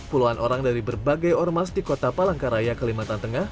puluhan orang dari berbagai ormas di kota palangkaraya kalimantan tengah